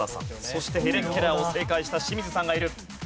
そしてヘレン・ケラーを正解した清水さんがいる。